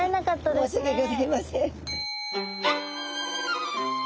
申し訳ギョざいません。